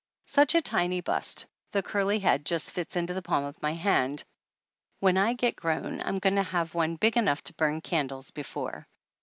Such a tiny bust the curly head just fits into the palm of my hand when I get grown I'm going to have one big enough to burn candles before!